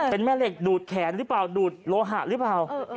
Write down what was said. เป็นแม่เหล็กดูดแขนหรือเปล่าดูดโลหะหรือเปล่า